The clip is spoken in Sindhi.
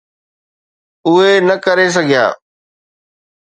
اهي نه ڪري سگهيا.